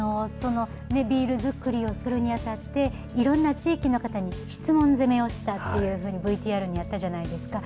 ビール造りをするにあたって、いろんな地域の方に質問攻めをしたっていうふうに、ＶＴＲにあったじゃないですか。